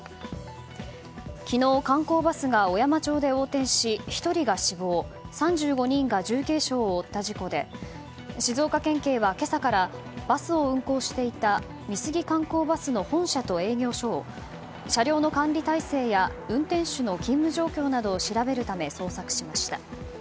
昨日、観光バスが小山町で横転し１人が死亡３５人が重軽傷を負った事故で静岡県警は今朝からバスを運行していた美杉観光バスの本社と営業所を車両の管理体制や運転手の勤務状況などを調べるため捜索しました。